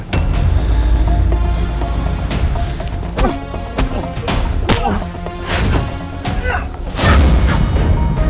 saya akan jebluskan anda ke penjara